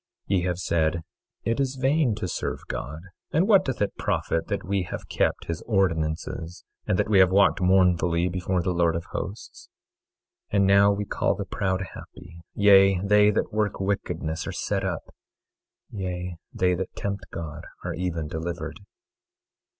24:14 Ye have said: It is vain to serve God, and what doth it profit that we have kept his ordinances and that we have walked mournfully before the Lord of Hosts? 24:15 And now we call the proud happy; yea, they that work wickedness are set up; yea, they that tempt God are even delivered.